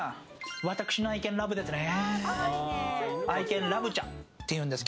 私の愛犬ラブですね。